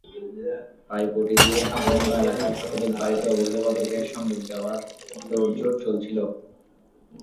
পাইপটি দিয়ে সংলগ্ন এলাকায় শতাধিক বাড়িতে অবৈধভাবে গ্যাস সংযোগ দেওয়ার তোড়জোড় চলছিল।